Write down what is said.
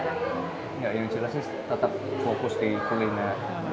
yang jelasnya tetap fokus di kuliner